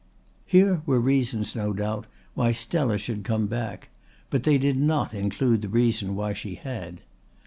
Here were reasons no doubt why Stella should come back; but they did not include the reason why she had.